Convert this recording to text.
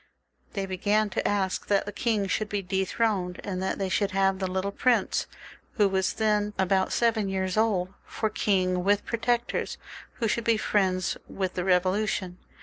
They began to ask that the king should be dethroned, and that they should have the little prince, who was then about seven years old, for king, with protectors, who should be friends of the Bevolution.